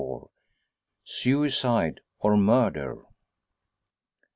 SUICIDE, OR MURDER.